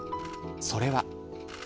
それは。